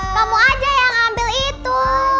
kamu aja yang ambil itu